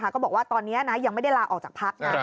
ก็บอกว่าตอนนี้ยังไม่ได้ลาออกจากพักนะ